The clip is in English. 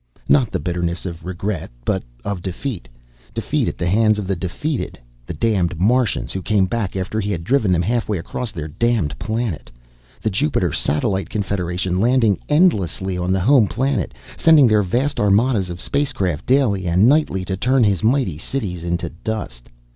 Not the bitterness of regret, but of defeat. Defeat at the hands of the defeated. The damned Martians who came back after he had driven them halfway across their damned arid planet. The Jupiter Satellite Confederation landing endlessly on the home planet, sending their vast armadas of spacecraft daily and nightly to turn his mighty cities into dust.